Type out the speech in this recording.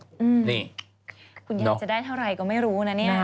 นี่คุณยายจะได้เท่าไหร่ก็ไม่รู้นะเนี่ย